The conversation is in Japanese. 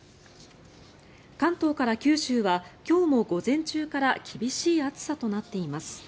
関東から九州は今日も午前中から厳しい暑さとなっています。